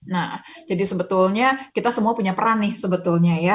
nah jadi sebetulnya kita semua punya peran nih sebetulnya ya